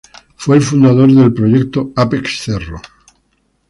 Fue el fundador del "Proyecto Apex-Cerro".